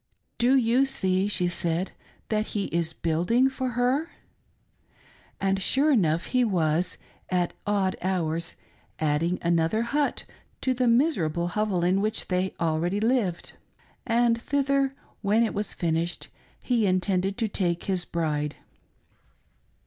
" Do you see," she said, " that he is building for her ?" And sure enough he was, at odd hours, adding another hut to the miserable hovel in which they already lived ; and thither, when it was finished, he intended to take his bride.